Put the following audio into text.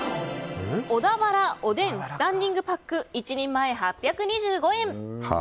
小田原おでんスタンディングパック１人前、８２５円。